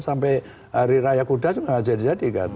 sampai hari raya kuda juga nggak jadi